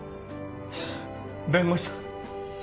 弁護士さん